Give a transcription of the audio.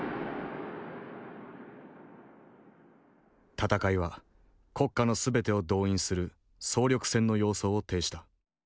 戦いは国家の全てを動員する総力戦の様相を呈した。